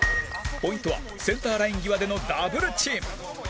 ポイントはセンターライン際でのダブルチーム！